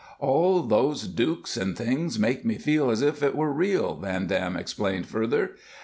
"All those dukes and things make me feel as if it were real," Van Dam explained further.